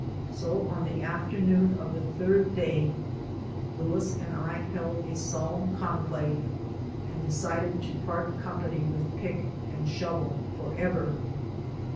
So on the afternoon of the third day Louis and I held a solemn conclave and decided to part company with "peek and shuvle," for ever.